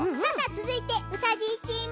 つづいてうさじいチーム。